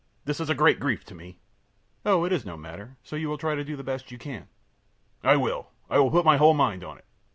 This is a great grief to me.ö ōOh, it is no matter, so you will try to do the best you can.ö ōI will. I will put my whole mind on it.